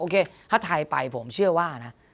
ถ้าไทยไปผมเชื่อว่านะ